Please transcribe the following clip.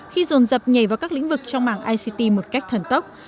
khi dồn dập nhảy vào các lĩnh vực trong mạng ict một cách thần tốc